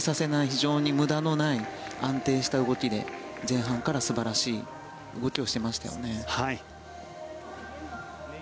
非常に無駄のない安定した動きで前半から素晴らしい動きをしていましたよね。